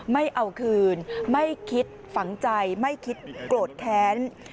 ไม่เอาคืนไม่คิดฝังใจไม่คิดโกรธแค้น